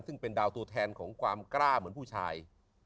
ซึ่งเป็นดาวตัวแทนของความกล้าเหมือนผู้ชาย